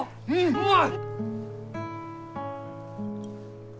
うまい。